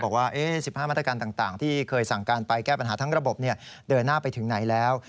๑๕มาตรการต่างที่เคยสั่งการไปแก้ปัญหาทั้งระบบเดินหน้าไปถึงไหนแล้ว